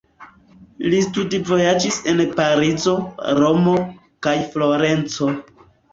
Li studvojaĝis en Parizo, Romo kaj Florenco.